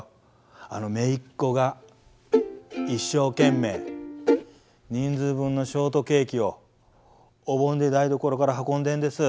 あのめいっ子が一生懸命人数分のショートケーキをお盆で台所から運んでんです。